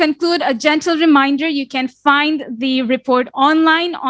ingatkan yang anda bisa temukan laporan online